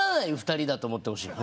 ２人だと思ってほしい。